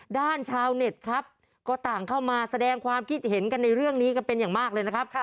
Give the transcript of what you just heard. ชาวเน็ตครับก็ต่างเข้ามาแสดงความคิดเห็นกันในเรื่องนี้กันเป็นอย่างมากเลยนะครับ